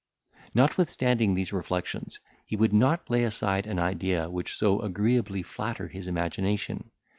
Notwithstanding these reflections, he would not lay aside an idea which so agreeably flattered his imagination.